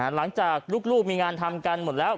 หลังจากลูกมีงานทำกันหมดแล้ว